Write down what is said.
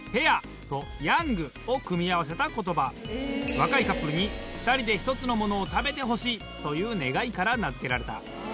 若いカップルに２人で１つのものを食べてほしいという願いから名付けられた。